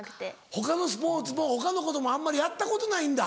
他のスポーツも他のこともあんまりやったことないんだ。